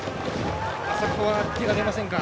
あそこは手が出ませんか。